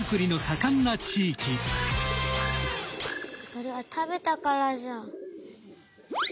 それは食べたからじゃ。